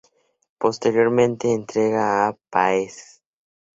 Posteriormente entrega a Páez.